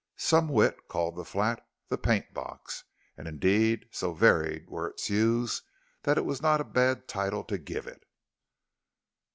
Some wit called the flat "the paint box," and indeed so varied were its hues that it was not a bad title to give it.